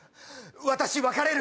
私別れる。